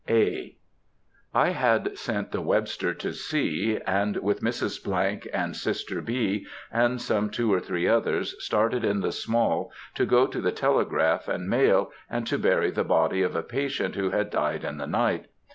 (A.) I had sent the Webster to sea, and with Mrs. —— and sister, B., and some two or three others, started in the Small to go to the telegraph and mail, and to bury the body of a patient who had died in the night.